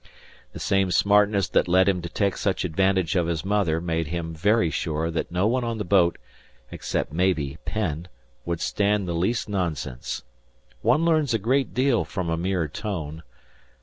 The same smartness that led him to take such advantage of his mother made him very sure that no one on the boat, except, maybe, Penn, would stand the least nonsense. One learns a great deal from a mere tone.